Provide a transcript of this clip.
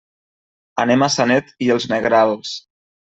Anem a Sanet i els Negrals.